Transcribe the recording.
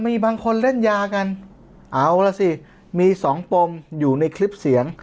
มีบางคนเล่นยากันเอาล่ะสิมีสองปมอยู่ในคลิปเสียง